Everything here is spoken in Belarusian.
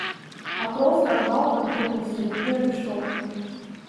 А проста, гвалтам прымусілі, і адышоў.